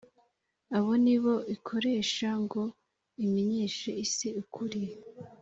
abo ni bo ikoresha ngo imenyeshe isi ukuri